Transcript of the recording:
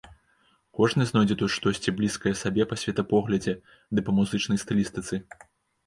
Кожны знойдзе тут штосьці блізкае сабе па светапоглядзе ды па музычнай стылістыцы.